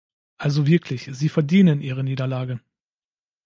Also wirklich, Sie verdienen ihre Niederlage!